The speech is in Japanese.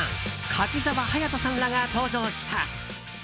柿澤勇人さんらが登場した。